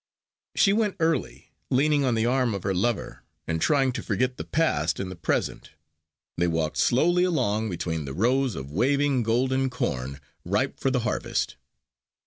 She went early, leaning on the arm of her lover, and trying to forget the past in the present. They walked slowly along between the rows of waving golden corn ripe for the harvest.